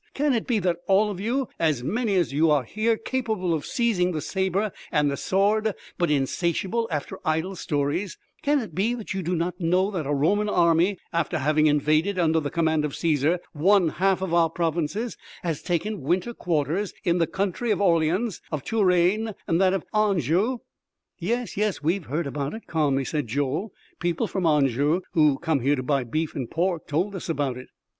Can it be that all of you as many as you are here capable of seizing the sabre and the sword but insatiable after idle stories can it be you do not know that a Roman army, after having invaded under the command of Cæsar one half of our provinces, has taken winter quarters in the country of Orleans, of Touraine and of Anjou?" "Yes, yes; we have heard about it," calmly said Joel. "People from Anjou, who came here to buy beef and pork, told us about it."